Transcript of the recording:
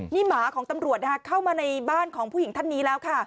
นี่หมาของตำรวจเข้ามาในบ้านของผู้หญิงท่านนี้แล้วค่ะ